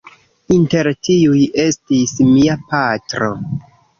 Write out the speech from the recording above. Inter tiuj estis mia patro.